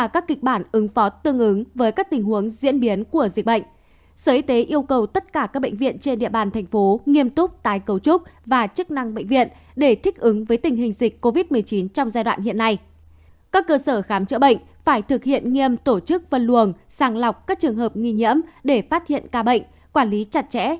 các bạn hãy đăng ký kênh để ủng hộ kênh của chúng mình nhé